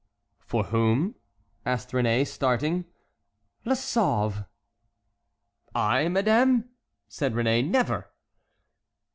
"For whom?" asked Réné, starting. "La Sauve." "I, madame?" said Réné; "never!"